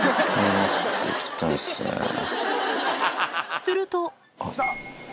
すると。